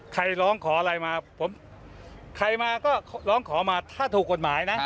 ใครร้องขออะไรมาผมใครมาก็ร้องขอมาถ้าถูกกฎหมายนะ